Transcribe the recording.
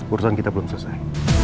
urusan kita belum selesai